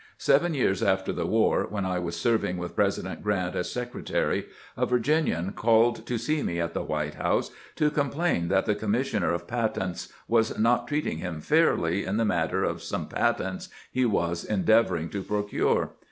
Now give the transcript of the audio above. Seven years after the war, when I was serving with President Grant as secretary, a Virginian called to see me at the White House, to complain that the commis sioner of patents was not treating him fairly in the matter of some patents he was endeavoring to procure.